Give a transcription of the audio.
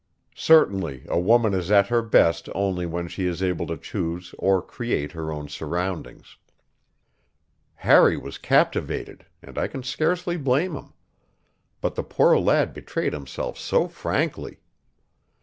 Certainly a woman is at her best only when she is able to choose or create her own surroundings. Harry was captivated, and I can scarcely blame him. But the poor lad betrayed himself so frankly!